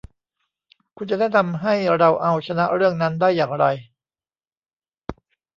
คุณจะแนะนำให้เราเอาชนะเรื่องนั้นได้อย่างไร